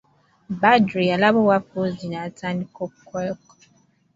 Badru yalaba obwavu bungi n'atandika okukola.